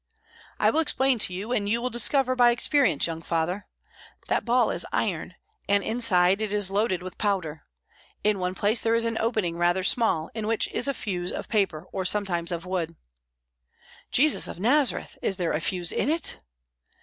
"I will explain to you, and you will discover by experience, young father. That ball is iron, and inside it is loaded with powder. In one place there is an opening rather small, in which is a fuse of paper or sometimes of wood." "Jesus of Nazareth! is there a fuse in it?"